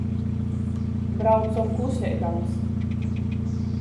Braucom kluseidamys.